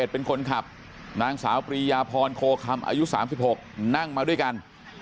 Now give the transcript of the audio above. เป็นคนขับนางสาวปรียาพรโคคำอายุ๓๖นั่งมาด้วยกัน